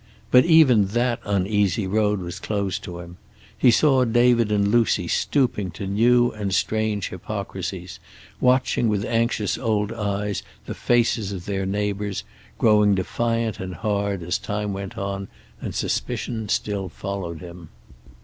But even that uneasy road was closed to him. He saw David and Lucy stooping to new and strange hypocrisies, watching with anxious old eyes the faces of their neighbors, growing defiant and hard as time went on and suspicion still followed him.